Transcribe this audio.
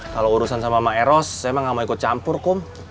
kalau urusan sama emak eros saya emang gak mau ikut campur kum